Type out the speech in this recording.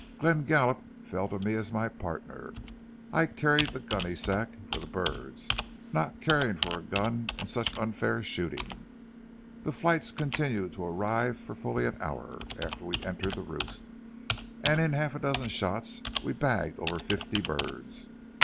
Glenn Gallup fell to me as my pardner. I carried the gunny sack for the birds, not caring for a gun in such unfair shooting. The flights continued to arrive for fully an hour after we entered the roost, and in half a dozen shots we bagged over fifty birds.